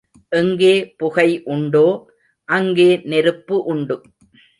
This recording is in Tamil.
எங்கே புகை உண்டோ, அங்கே நெருப்பு உண்டு.